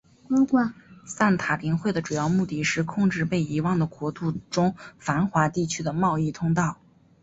散塔林会的主要目的是控制被遗忘的国度中繁华地区的贸易通道。